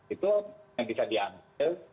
itu yang bisa diambil